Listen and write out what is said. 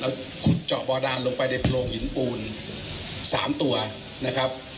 ขุดเจาะบาดานลงไปในโพรงหินปูน๓ตัวนะครับ